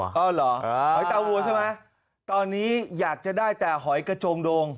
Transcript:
อ๋อเหรอหอยตาวัวใช่ไหมตอนนี้อยากจะได้แต่หอยกระโจงโดง